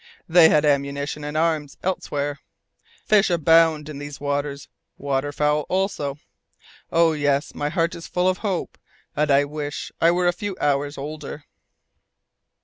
They had ammunition and arms elsewhere. Fish abound in these waters, water fowl also. Oh yes! my heart is full of hope, and I wish I were a few hours older!"